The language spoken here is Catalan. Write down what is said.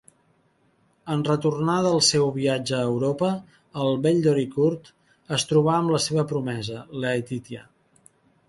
En retornar del seu viatge a Europa, el bell Doricourt es troba amb la seva promesa, Letitia.